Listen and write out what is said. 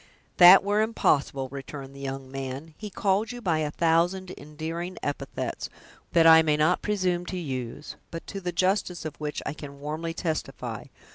"That were impossible," returned the young man; "he called you by a thousand endearing epithets, that I may not presume to use, but to the justice of which, I can warmly testify.